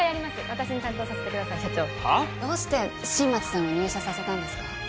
私に担当させてください社長どうして新町さんを入社させたんですか？